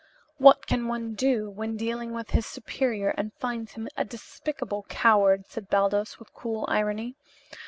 "What can one do when dealing with his superior and finds him a despicable coward?" said Baldos, with cool irony.